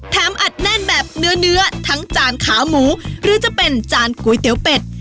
อัดแน่นแบบเนื้อทั้งจานขาหมูหรือจะเป็นจานก๋วยเตี๋ยวเป็ด